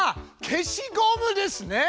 消しゴムですね！